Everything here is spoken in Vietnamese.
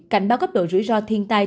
cảnh báo cấp độ rủi ro thiên tai